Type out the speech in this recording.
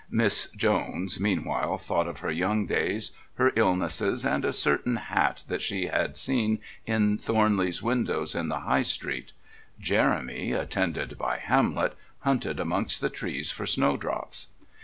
Miss Jones meanwhile thought of her young days, her illnesses and a certain hat that she had seen in Thornley's windows in the High Street. Jeremy, attended by Hamlet, hunted amongst the trees for snowdrops.